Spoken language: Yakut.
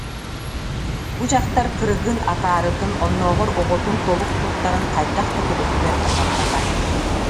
Бу дьахтар кырыгын, акаарытын, оннооҕор оҕотун толук туттарын хайдах да төбөтүгэр батарбата